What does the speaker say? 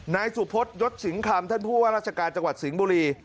นายสุพศยศสิงคำท่านผู้ว่าราชการจังหวัดสิงห์บุรี